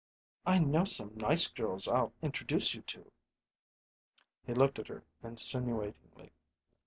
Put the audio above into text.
"I know some nice girls I'll introduce you to." He looked at her insinuatingly.